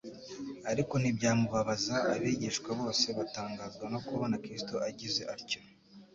ariko ntibyamubabaza. Abigishwa bose batangazwa no kubona Kristo agize atyo.